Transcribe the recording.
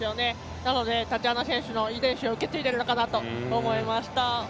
なのでタチアナ選手の遺伝子を受け継いでいるのかなと思いました。